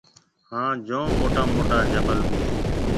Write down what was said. هانَ جوم موٽا موٽا جبل ڀِي هيَ۔